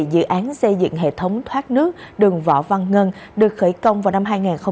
dự án xây dựng hệ thống thoát nước đường võ văn ngân được khởi công vào năm hai nghìn một mươi